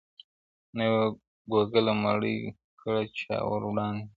نه یوه ګوله مړۍ کړه چا وروړاندي -